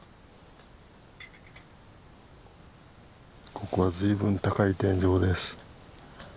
ここは随分高い天井です。